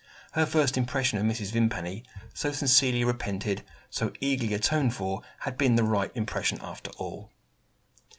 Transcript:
Her first impression of Mrs. Vimpany so sincerely repented, so eagerly atoned for had been the right impression after all!